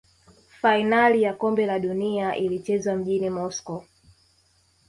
fainali ya kombe la dunia ilichezwa mjini moscow